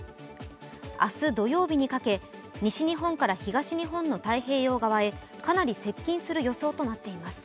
明日土曜日にかけ、西日本から東日本の太平洋側へかなり接近する予想となっています。